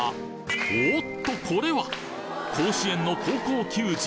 おっとこれは甲子園の高校球児